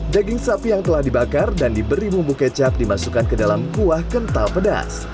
daging sapi yang telah dibakar dan diberi bumbu kecap dimasukkan ke dalam kuah kental pedas